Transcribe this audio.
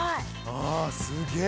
ああすげえ。